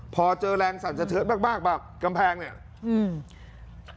พอเจอแรงสั่นเฉินมากบ้างกำแพงเนี่ย